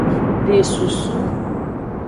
De susu.